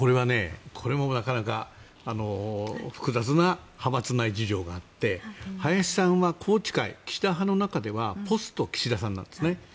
これもなかなか複雑な派閥内事情があって林さんは宏池会岸田派の中ではポスト岸田さんなんですね。